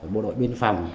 một đội biên phòng